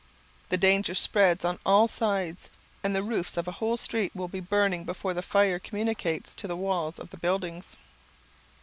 The danger spreads on all sides, and the roofs of a whole street will be burning before the fire communicates to the walls of the buildings.